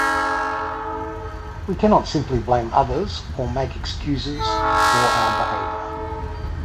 We cannot simply blame others or make excuses for our behavior.